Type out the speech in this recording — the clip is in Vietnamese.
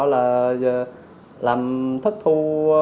là làm thất thu